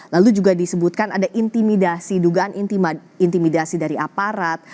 lalu juga disebutkan ada intimidasi dugaan intimidasi dari aparat